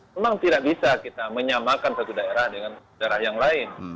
memang tidak bisa kita menyamakan satu daerah dengan daerah yang lain